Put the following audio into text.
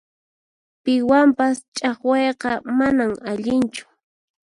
Piwanpas ch'aqwayqa manan allinchu.